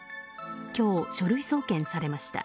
今日、書類送検されました。